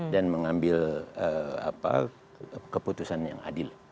dan mengambil keputusan yang adil